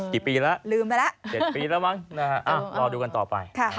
กี่ปีแล้ว๗ปีแล้วมั้งรอดูกันต่อไป